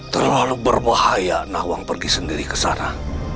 terlalu berbahaya nawang pergi sendiri ke sana